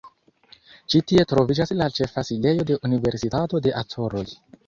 Ĉi tie troviĝas la ĉefa sidejo de Universitato de Acoroj.